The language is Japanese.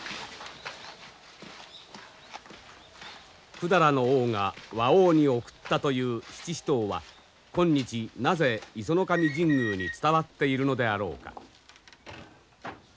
百済の王が倭王に贈ったという七支刀は今日なぜ石上神宮に伝わっているのであろうか。